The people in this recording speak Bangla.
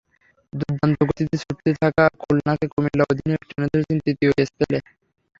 দুর্দান্ত গতিতে ছুটতে থাকা খুলনাকে কুমিল্লা অধিনায়ক টেনে ধরেছেন তৃতীয় স্পেলে।